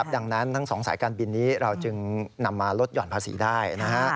ดังนั้นทั้งสองสายการบินนี้เราจึงนำมาลดหย่อนภาษีได้